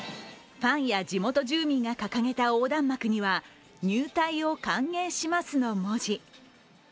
ファンや地元住民が掲げた横断幕には「入隊を歓迎します」の文字。